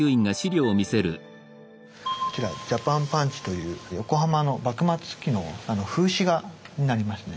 こちら「ジャパンパンチ」という横浜の幕末期の風刺画になりますね。